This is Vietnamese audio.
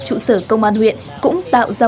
trụ sở công an huyện cũng tạo ra